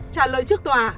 trả lời trước tòa